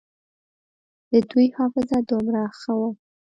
د دوى حافظه دومره ښه وه.